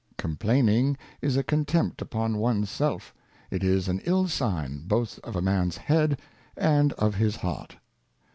COMPLAINING is a Contempt upon ones self : It is an ill Sign both of a Man's Head and of his Heart.